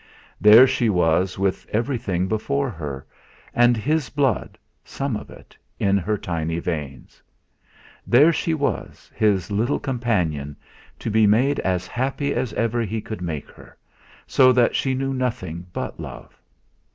There she was with everything before her, and his blood some of it in her tiny veins. There she was, his little companion, to be made as happy as ever he could make her, so that she knew nothing but love.